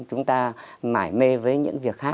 chúng ta mãi mê với những việc khác